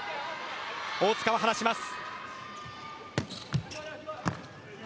大塚は話します。